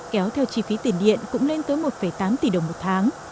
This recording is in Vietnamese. kéo theo chi phí tiền điện cũng lên tới một tám tỷ đồng một tháng